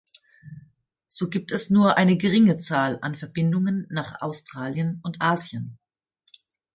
So gibt es nur eine geringe Zahl an Verbindungen nach Australien und Asien.